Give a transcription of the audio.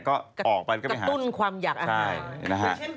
ก็ออกไปก็ไปหาใช่นะฮะกระตุ้นความอยากอาหาร